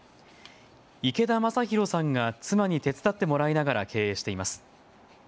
池田昌広さんが妻に手伝ってもらいながら経営しています。